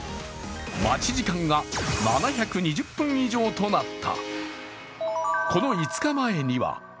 待ち時間が７２０分以上となった。